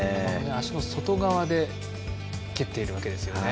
足の外側で蹴っているわけですよね。